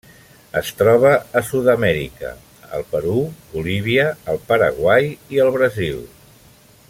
Es troba a Sud-amèrica: el Perú, Bolívia, el Paraguai i el Brasil.